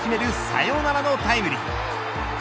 サヨナラのタイムリー。